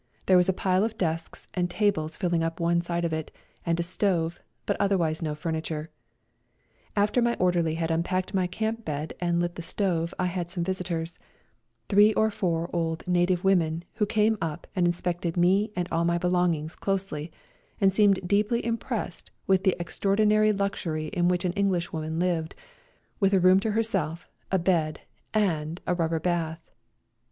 There was a pile of desks and tables filling up one side of it, and a stove, but otherwise no furniture. After my orderly had unpacked my camp bed and lit the stove I had some visitors : three or four old native women, who came up and inspected me and all my belong ings closely, and seemed deeply impressed with the extraordinary luxury in which an Englishwoman lived, with a room to herself, a bed and sl rubber bath